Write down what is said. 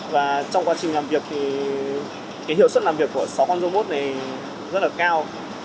và trong quá trình làm việc thì cái hiệu suất làm việc của sáu con robot này rất là cao